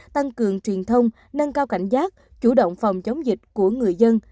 tăng cường truyền thông nâng cao cảnh giác chủ động phòng chống dịch của người dân